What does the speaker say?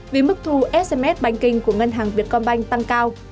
vì mức thu sms banking của ngân hàng việt con bành tăng cao